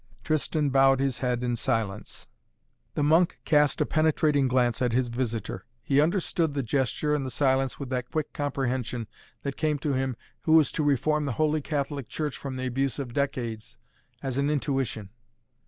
'" Tristan bowed his head in silence. The monk cast a penetrating glance at his visitor. He understood the gesture and the silence with that quick comprehension that came to him who was to reform Holy Catholic Church from the abuse of decades as an intuition.